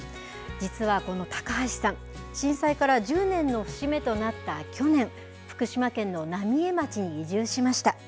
実はこの高橋さん、震災から１０年の節目となった去年、福島県の浪江町に移住しました。